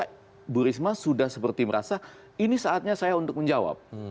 karena bu risma sudah seperti merasa ini saatnya saya untuk menjawab